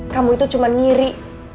kamu itu cuman ngiri